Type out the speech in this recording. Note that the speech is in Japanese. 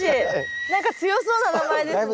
何か強そうな名前ですね。